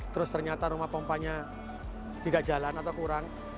terus ternyata rumah pompanya tidak jalan atau kurang